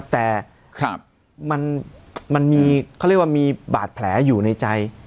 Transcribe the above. แต่มันมีบาดแผลอยู่ในใจ